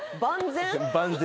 万全？